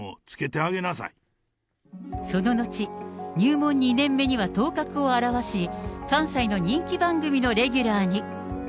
その後、入門２年目には頭角を現し、関西の人気番組のレギュラーに。